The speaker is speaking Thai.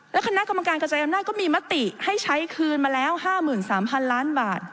และคณะกรรมการกระจายอำนาจก็มีมติให้ใช้คืนมาแล้ว๕๓๐๐๐ล้านบาท